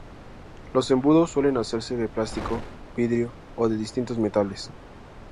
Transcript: Los embudos suelen hacerse de plástico, vidrio o de distintos metales.